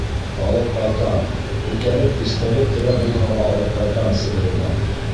— Алып ҡайтам, күтәреп, пистолет терәп булһа ла алып ҡайтам Себеренән.